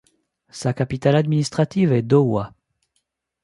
Sa capitale administrative est Dowa.